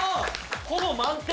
ほぼ満点。